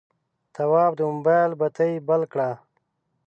تواب د موبایل بتۍ بل کړه.